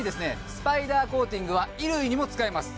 スパイダーコーティングは衣類にも使えます